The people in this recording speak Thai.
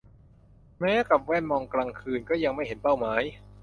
แม้กับแว่นมองกลางคืน ก็ยังไม่เห็นเป้าหมาย